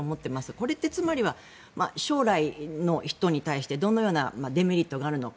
これってつまりは将来の人に対してどのようなデメリットがあるのか。